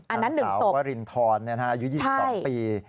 อันนั้น๑ศพทางสาววรินทรอายุ๒๒ปี